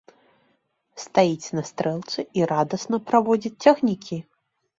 Стаіць на стрэлцы і радасна праводзіць цягнікі.